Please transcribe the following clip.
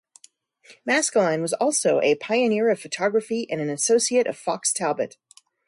Maskelyne was also a pioneer of photography and an associate of Fox Talbot.